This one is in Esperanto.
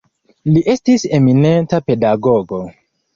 Li estis eminenta pedagogo.